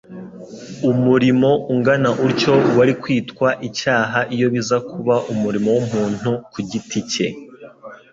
Umurimo ungana utyo wari kwitwa icyaha iyo biza kuba umurimo w'umuntu ku giti cye,